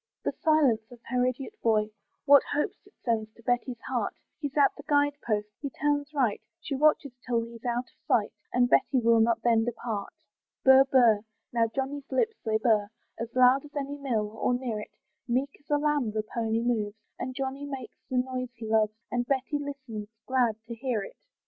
The silence of her idiot boy, What hopes it sends to Betty's heart! He's at the guide post he turns right, She watches till he's out of sight, And Betty will not then depart. Burr, burr now Johnny's lips they burr, As loud as any mill, or near it, Meek as a lamb the pony moves, And Johnny makes the noise he loves, And Betty listens, glad to hear it.